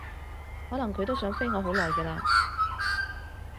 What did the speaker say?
可能佢都想飛我好耐㗎喇